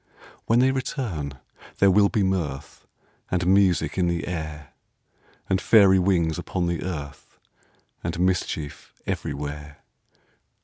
When they return, there will be mirth And music in the air, And fairy wings upon the earth, And mischief everywhere.